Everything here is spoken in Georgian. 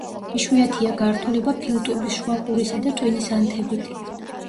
იშვიათია გართულება ფილტვების, შუა ყურისა და ტვინის ანთებით.